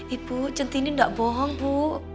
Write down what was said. ibu centini tidak bohong bu